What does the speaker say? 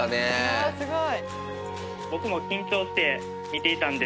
わすごい。